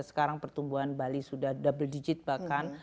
sekarang pertumbuhan bali sudah double digit bahkan